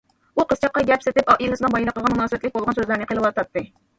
ئۇ قىزچاققا گەپ سېتىپ ئائىلىسىنىڭ بايلىقىغا مۇناسىۋەتلىك بولغان سۆزلەرنى قىلىۋاتاتتى.